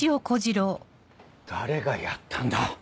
誰がやったんだ！